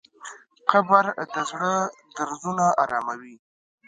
قبر د زړه درزونه اراموي.